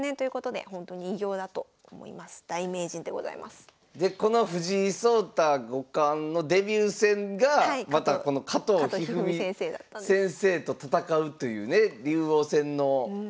でこの藤井聡太五冠のデビュー戦がまたこの加藤一二三先生と戦うというね竜王戦の。